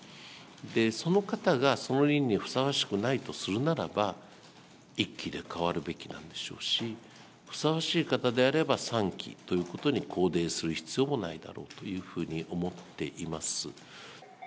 その方が、その任にふさわしくないとするならば、１期で変わるべきなんでしょうし、ふさわしい方であれば３期ということに拘泥する必要もないだろうというふうに思っています。